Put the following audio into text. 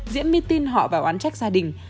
diễm my tin họ vào án trách gia đình